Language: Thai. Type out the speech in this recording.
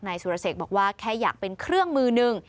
นายสุรเศษฐ์บอกว่าแค่อยากเป็นเครื่องมือนึง